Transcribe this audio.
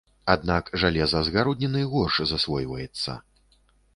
Аднак жалеза з гародніны горш засвойваецца.